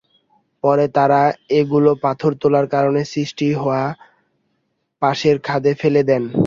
পরে তাঁরা এগুলো পাথর তোলার কারণে সৃষ্টি হওয়া পাশের খাদে ফেলে দেন।